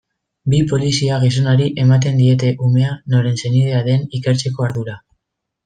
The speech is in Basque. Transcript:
Bi polizia-gizonari ematen diete umea noren senidea den ikertzeko ardura.